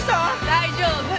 大丈夫。